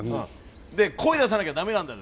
で、声出さなきゃだめなんだぜ。